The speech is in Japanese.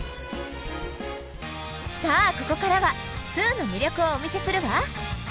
さあここからは「２」の魅力をお見せするわ！